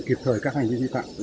kịp thời các hành vi vi phạm